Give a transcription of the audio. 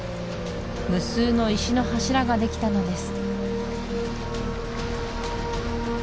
無数の石の柱ができたのです